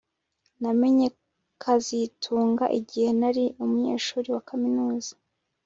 Namenye kazitunga igihe nari umunyeshuri wa kaminuza